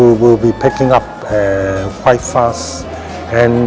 akan mendapatkan pendapatan dengan cepat